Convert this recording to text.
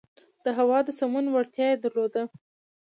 د هوا د سمون وړتیا یې درلوده.